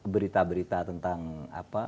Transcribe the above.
berita berita tentang apa